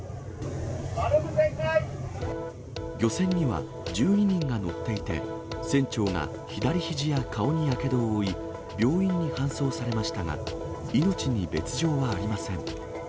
漁船には、１２人が乗っていて、船長が左ひじや顔にやけどを負い、病院に搬送されましたが、命に別状はありません。